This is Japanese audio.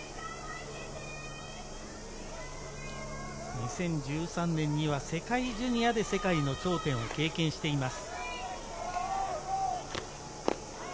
２０１３年には世界ジュニアで世界の頂点を経験しています。